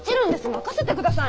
任せてください！